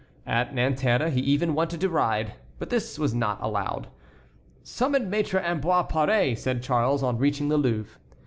At Nanterre he even wanted to ride, but this was not allowed. "Summon Maître Ambroise Paré," said Charles, on reaching the Louvre.